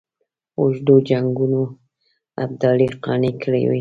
اوږدو جنګونو ابدالي قانع کړی وي.